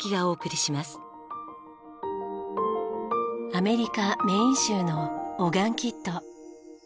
アメリカメーン州のオガンキット。